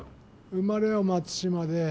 生まれは松島で。